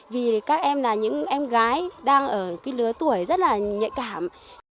vì các em là những em gái đang ở cái lứa tuổi rất là nhạy cảm